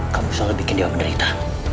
kamu selalu bikin dia menderita